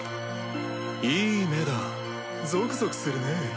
いい目だゾクゾクするね。